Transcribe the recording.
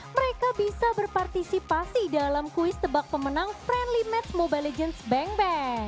mereka bisa berpartisipasi dalam kuis tebak pemenang friendly match mobile legends bank bank